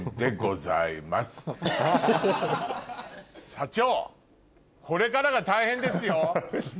社長これからが大変ですよ。